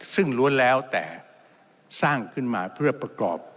ซึ่งล้วนแล้วแต่สร้างขึ้นมาเพื่อประกอบ